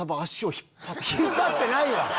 引っ張ってないわ！